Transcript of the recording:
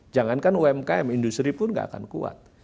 jangankan umkm industri pun gak akan kuat